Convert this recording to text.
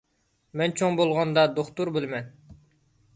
مەن چوڭ بولغاندا دوختۇر بولىمەن.